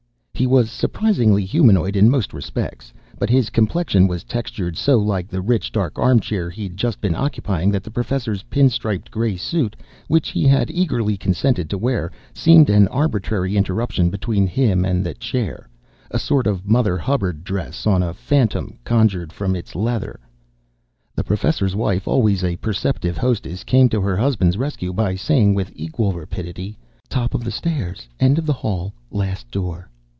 He was surprisingly humanoid in most respects, but his complexion was textured so like the rich dark armchair he'd just been occupying that the Professor's pin striped gray suit, which he had eagerly consented to wear, seemed an arbitrary interruption between him and the chair a sort of Mother Hubbard dress on a phantom conjured from its leather. The Professor's Wife, always a perceptive hostess, came to her husband's rescue by saying with equal rapidity, "Top of the stairs, end of the hall, last door."